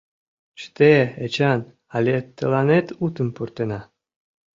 Чыте, Эчан, але тыланет утым пуртена...